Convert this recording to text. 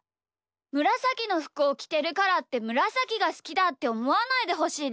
むらさきのふくをきてるからってむらさきがすきだっておもわないでほしいです。